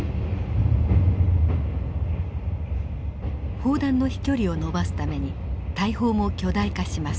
砲弾の飛距離を延ばすために大砲も巨大化します。